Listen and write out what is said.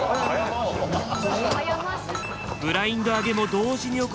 ブラインド上げも同時に行い